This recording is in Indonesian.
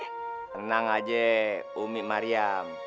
tenang aja bumi mariam